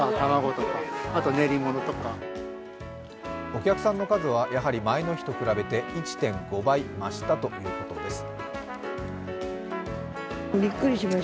お客さんの数は前の日と比べて１．５倍増したということです